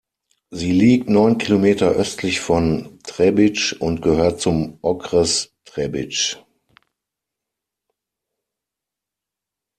Sie liegt neun Kilometer östlich von Třebíč und gehört zum Okres Třebíč.